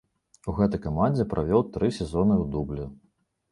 У гэтай камандзе правёў тры сезоны ў дублі.